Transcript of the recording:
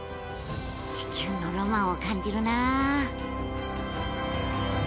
地球のロマンを感じるなあ。